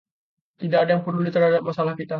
Tidak ada yang peduli terhadap masalah kita.